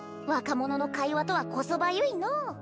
若者の会話とはこそばゆいのう